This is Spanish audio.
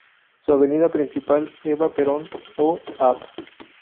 Su avenida principal Eva Perón o Av.